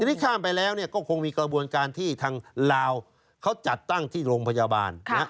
ทีนี้ข้ามไปแล้วก็คงมีกระบวนการที่ทางลาวเขาจัดตั้งที่โรงพยาบาล